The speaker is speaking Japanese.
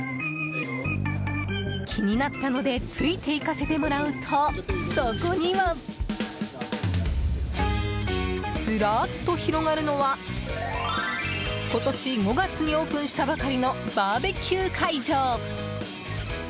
気になったのでついていかせてもらうとそこには。ずらっと広がるのは今年５月にオープンしたばかりのバーベキュー会場。